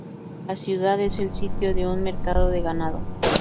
La ciudad es el sitio de un mercado de ganado.